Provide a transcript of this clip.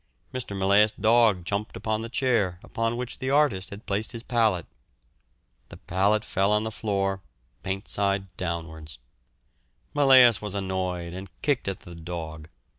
Mr. Millais' dog jumped upon the chair upon which the artist had placed his palette. The palette fell on to the floor, paint side downwards. Millais was annoyed and kicked at the dog.